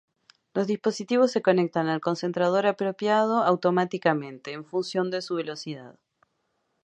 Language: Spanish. Los dispositivos se conectan al concentrador apropiado automáticamente, en función de su velocidad.